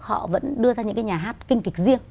họ vẫn đưa ra những cái nhà hát kinh kịch riêng